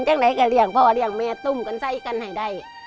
จากไหนก็เลี้ยงพ่อเลี้ยงแม่ตุ้มกันใส่กันให้ได้